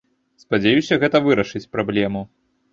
Спадзяюся, гэта вырашыць праблему.